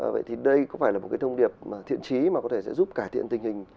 vậy thì đây có phải là một cái thông điệp thiện trí mà có thể sẽ giúp cải thiện tình hình